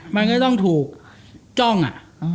มันก็ต้องถูกจ้องอ่ะ